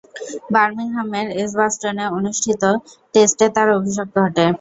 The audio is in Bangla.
বার্মিংহামের এজবাস্টনে অনুষ্ঠিত টেস্টে তার অভিষেক ঘটে।